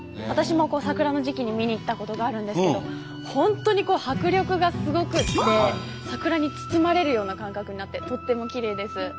私も桜の時期に見に行ったことがあるんですけど本当に迫力がすごくて桜に包まれるような感覚になってとってもきれいです。